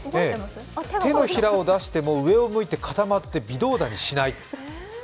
手のひらを出しても、上を向いて固まって、微動だにしない。